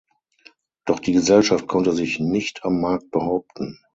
Doch die Gesellschaft konnte sich nicht am Markt behaupten.